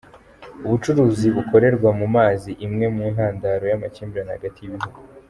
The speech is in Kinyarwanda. Ubucuruzi bukorerwa mu mazi, imwe mu intandaro y’amakimbirane hagati y’ibihugu.